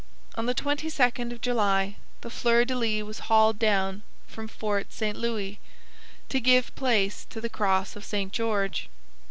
On the 22nd of July the fleur de lis was hauled down from Fort St Louis to give place to the cross of St George.